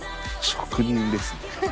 職人ですね。